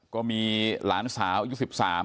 ก็มีหลานสาวอายุ๑๓